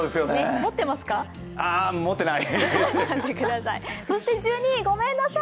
持ってない。